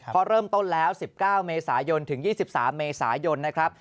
เพราะเริ่มต้นแล้ว๑๙เมษายนถึง๒๓เมษายนนะครับ